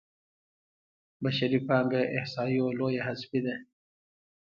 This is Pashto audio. بشري پانګه احصایو لویه حذفي ده.